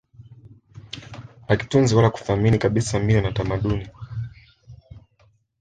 hakitunzi wala kuthamini kabisa mila na tamaduni